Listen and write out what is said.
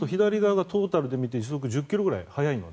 そうすると左側がトータルで見て時速１０ｋｍぐらい速いので。